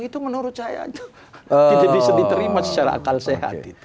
itu menurut saya tidak bisa diterima secara akal sehat